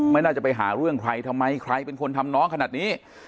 ไม่น่าจะไปหาเรื่องใครทำไมใครเป็นคนทำน้องขนาดนี้